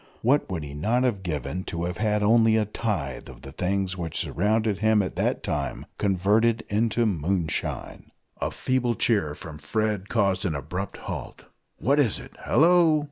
What would he not have given to have had only a tithe of the things which surrounded him at that time converted into "moonshine!" A feeble cheer from Fred caused an abrupt halt: "What is it?" "Hallo!"